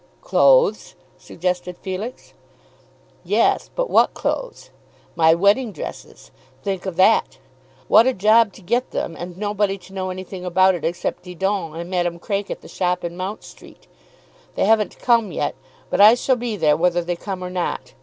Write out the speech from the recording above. "Clothes," suggested Felix. "Yes, but what clothes? my wedding dresses. Think of that! What a job to get them and nobody to know anything about it except Didon and Madame Craik at the shop in Mount Street! They haven't come yet, but I shall be there whether they come or not.